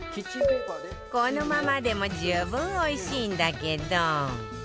このままでも十分おいしいんだけど